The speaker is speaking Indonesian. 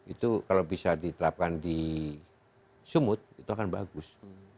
itu kalau bisa diterapkan di sumut itu akan bagus